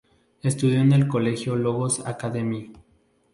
Estudió en el colegio Logos Academy.